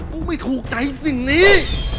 กูไม่ถูกใจสิ่งนี้